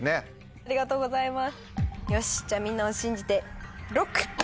ありがとうございます！